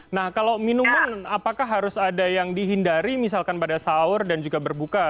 nah kalau minuman apakah harus ada yang dihindari misalkan pada sahur dan juga berbuka